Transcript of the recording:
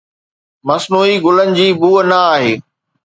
مصنوعي گلن جي بوء نه آهي